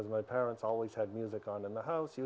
kemudian ketika saya menjadi lebih tua